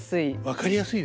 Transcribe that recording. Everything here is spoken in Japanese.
分かりやすいですね。